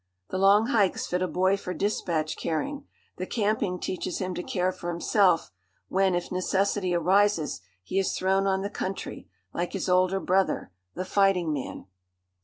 The long hikes fit a boy for dispatch carrying, the camping teaches him to care for himself when, if necessity arises, he is thrown on the country, like his older brother, the fighting man.